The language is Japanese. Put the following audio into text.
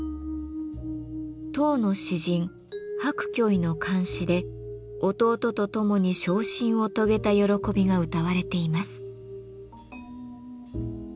唐の詩人白居易の漢詩で弟と共に昇進を遂げた喜びがうたわれています。